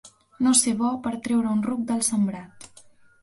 No ser bo per treure un ruc del sembrat.